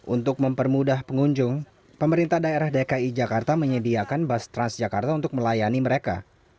untuk mempermudah pengunjung pemerintah daerah dki jakarta menyediakan bus transjakarta untuk melayani mereka